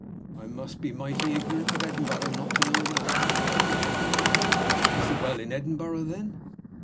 "I must be mighty ignorant of Edinburgh not to know that," replied the doctor. "Is the Well in Edinburgh, then?"